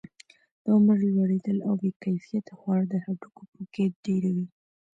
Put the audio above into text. د عمر لوړېدل او بې کیفیته خواړه د هډوکو پوکي ډیروي.